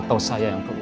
atau saya yang keluar